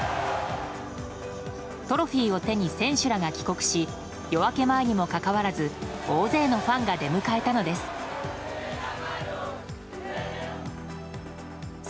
トロフィーを手に選手らが帰国し夜明け前にもかかわらず大勢のファンが出迎えたのです。